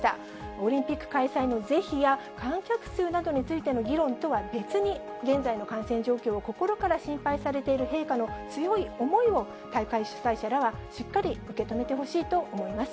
オリンピック開催の是非や観客数などについての議論とは別に、現在の感染状況を心から心配されている陛下の強い思いを、大会主催者らはしっかり受け止めてほしいと思います。